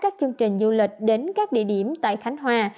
các chương trình du lịch đến các địa điểm tại khánh hòa